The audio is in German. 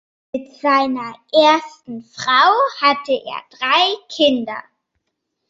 Mit seiner ersten Frau hatte er drei Kinder.